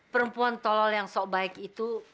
perempuan tolol yang sok baik itu